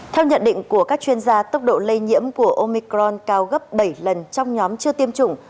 theo nhận định của các chuyên gia tốc độ lây nhiễm của omicron cao gấp bảy lần trong nhóm chưa tiêm chủng